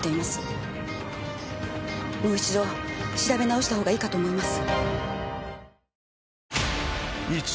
もう一度調べなおした方がいいかと思います。